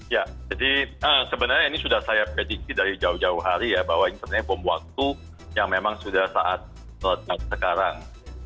ya jadi sebenarnya ini sudah saya prediksi dari jauh jauh hari ya bahwa ini sebenarnya bom waktu yang memang sudah saat sekarang